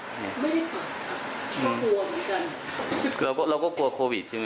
ไม่ได้เปิดครับเขากลัวเหมือนกันเราก็เราก็กลัวโควิดใช่ไหม